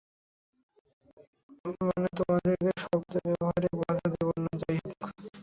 মানে, তোমাদেরকে শব্দটা ব্যবহারে বাধা দেব না, যাই হোক।